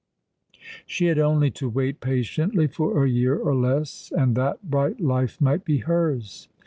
She had only to wait patiently for a year or less, and that bright life might be hers.